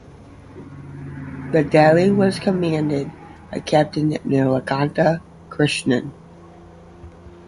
The "Delhi" was commanded by Captain Nilakanta Krishnan.